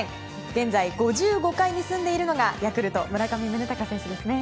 現在、５５階に住んでいるのがヤクルト、村上宗隆選手ですね。